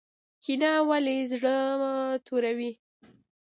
کینه ولې زړه توروي؟